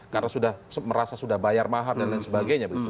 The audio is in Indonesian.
karena sudah merasa sudah bayar mahal dan lain sebagainya begitu